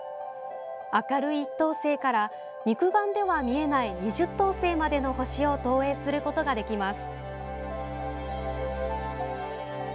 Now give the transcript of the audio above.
明るい１等星から肉眼では見えない２０等星までの星を投影することができます。